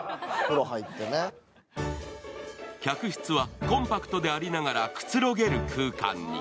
客室はコンパクトでありながらくつろげる空間に。